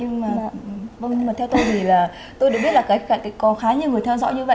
nhưng mà theo tôi thì là tôi được biết là có khá nhiều người theo dõi như vậy